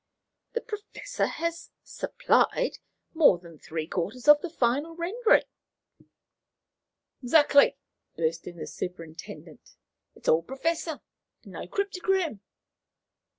"The Professor has 'supplied' more than three quarters of the final rendering." "Exactly," burst in the superintendent; "it's all Professor and no cryptogram."